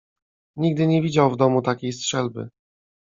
"Nigdy nie widział w domu takiej strzelby."